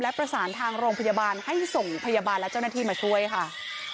และประสานทางโรงพยาบาลให้ส่งพยาบาลและเจ้าหน้าที่มาช่วยค่ะ